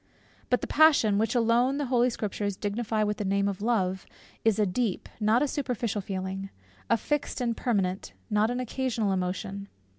But the passion, which alone the Holy Scriptures dignify with the name of Love, is a deep, not a superficial feeling; a fixed and permanent, not an occasional emotion.